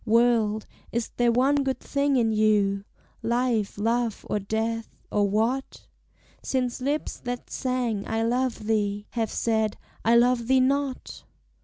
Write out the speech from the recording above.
World, is there one good thing in you, Life, love, or death or what? Since lips that sang, I love thee, Have said, I love thee not?